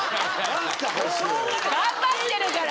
頑張ってるから。